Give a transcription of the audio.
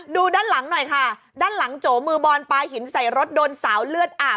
ดูด้านหลังหน่อยค่ะด้านหลังโจมือบอลปลาหินใส่รถโดนสาวเลือดอาบ